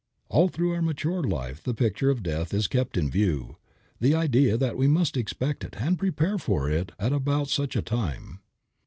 All through our mature life the picture of death is kept in view, the idea that we must expect it and prepare for it at about such a time.